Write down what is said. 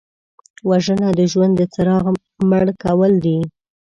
وژنه د ژوند د څراغ مړ کول دي